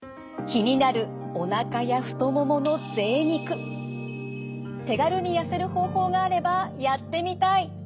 気になるおなかや太ももの手軽に痩せる方法があればやってみたい！